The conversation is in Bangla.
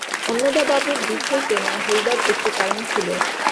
অন্নদাবাবুর দিক হইতে না হইবার একটু কারণ ছিল।